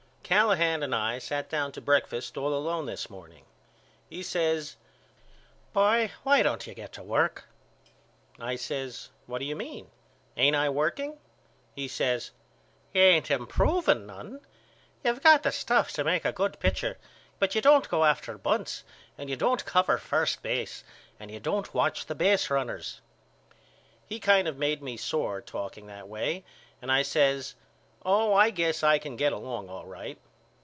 Callahan and I sat down to breakfast all alone this morning. He says Boy why don't you get to work? I says What do you mean? Ain't I working? He says You ain't improving none. You have got the stuff to make a good pitcher but you don't go after bunts and you don't cover first base and you don't watch the baserunners. He made me kind of sore talking that way and I says Oh I guess I can get along all right.